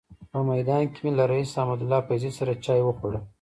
په میدان کې مې له رئیس احمدالله فیضي سره چای وخوړل.